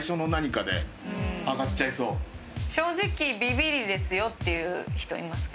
正直ビビりですよっていう人いますか？